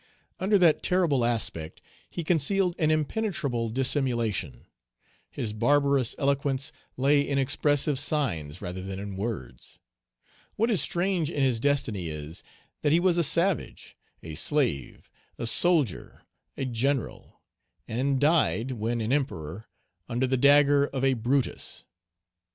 Under that terrible aspect he concealed an impenetrable dissimulation. His barbarous eloquence lay in expressive signs rather than in words. What is strange in his destiny is, that he was a savage, a slave, a soldier, a general, and died, when an emperor, under the dagger of a Brutus.